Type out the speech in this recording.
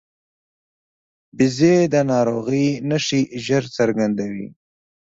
وزې د ناروغۍ نښې ژر څرګندوي